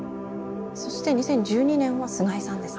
そして２０１２年は菅井さんですね。